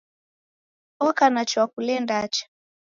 Oka na chwakule ndacha